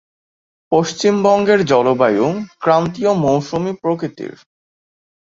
পশ্চিমবঙ্গের জলবায়ু ক্রান্তীয় মৌসুমী প্রকৃতির।